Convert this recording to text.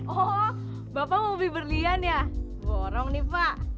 oh bapak mau beli berlian ya borong nih pak